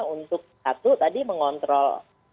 untuk satu tadi mengontrol